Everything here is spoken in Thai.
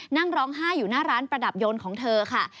นั่งร้องไห้อยู่หน้าร้านประดับยนต์ของเธอค่ะ